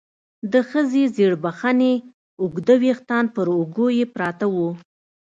د ښځې ژېړ بخوني اوږده ويښتان پر اوږو يې پراته وو.